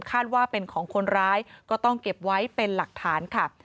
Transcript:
ว่าเป็นของคนร้ายก็ต้องเก็บไว้เป็นหลักฐานค่ะ